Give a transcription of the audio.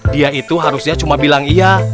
dia itu harusnya cuma bilang iya